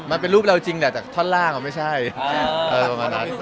แต่ลูกเราจริงแต่ธอดล่างมักไม่ใช่ประมาณนี้